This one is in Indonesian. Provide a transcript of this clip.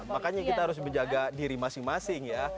makanya kita harus menjaga diri masing masing ya